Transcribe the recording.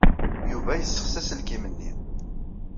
Yuba yesseɣsi aselkim-nni.